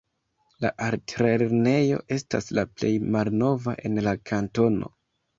La altlernejo estas la plej malnova en la kantono.